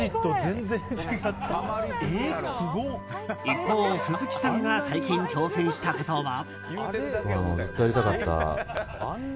一方、鈴木さんが最近挑戦したことは？